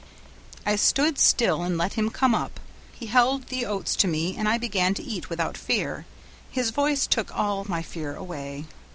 I stood still and let him come up; he held the oats to me, and I began to eat without fear; his voice took all my fear away.